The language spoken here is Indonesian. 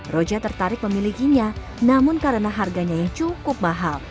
roja tertarik memilikinya namun karena harganya yang cukup mahal